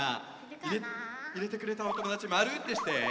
いれてくれたおともだちまるってして。